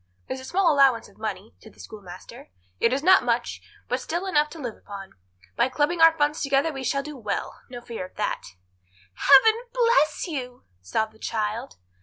"There's a small allowance of money," said the schoolmaster. "It is not much, but still enough to live upon. By clubbing our funds together we shall do well; no fear of that." "Heaven bless you!" sobbed the child.